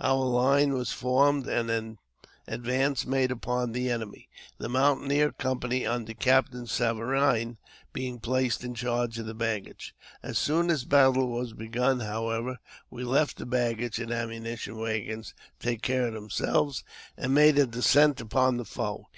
Our line was formed, and an advance made upon the enemy, the mountaineer company, under Captain Saverine, being placed in charge of the baggage. As soon as battle was begun, however, we left the baggage and ammunition wag JAMES P. BECKWOUETH. 401 gons to take care of themselves, and made a descent upon the foe.